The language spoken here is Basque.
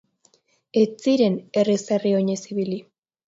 Ez ziren herriz herri oinez ibili.